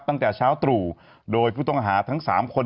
ตั้งแต่เช้าศรีตรฐานด้วยผู้ต้องหาทั้ง๓คน